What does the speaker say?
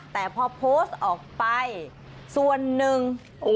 แต่พอโพสต์ออกไปส่วนหนึ่ง